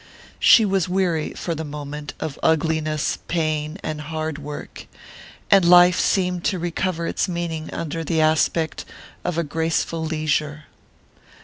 She was weary, for the moment, of ugliness, pain and hard work, and life seemed to recover its meaning under the aspect of a graceful leisure.